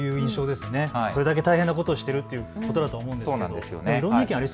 それだけ大変なことをしているということなんだと思います。